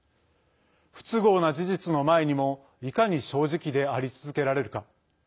不都合な事実の前にもいかに正直であり続けられるか。